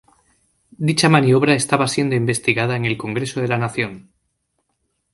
Dicha maniobra estaba siendo investigada en el Congreso de la Nación.